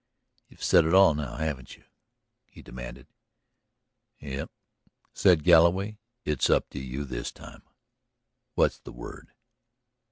"You've said it all now, have you?" he demanded. "Yes," said Galloway. "It's up to you this time. What's the word?"